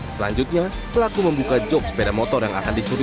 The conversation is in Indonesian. selanjutnya pelaku membuka jog sepeda motor yang akan dicuri